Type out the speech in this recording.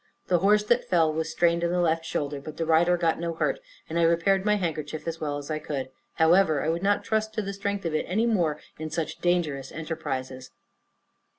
The horse that fell was strained in the left shoulder, but the rider got no hurt, and I repaired my handkerchief as well as I could; however, I would not trust to the strength of it any more in such dangerous enterprises.